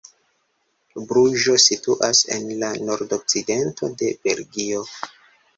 Bruĝo situas en la nordokcidento de Belgio.